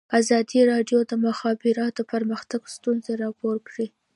ازادي راډیو د د مخابراتو پرمختګ ستونزې راپور کړي.